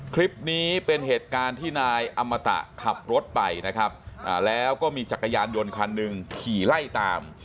คลิปนี้เป็นเหตุการณ์ที่นายอมตะขับรถไปนะครับแล้วก็มีจักรยานยนต์คันหนึ่งขี่ไล่ตาม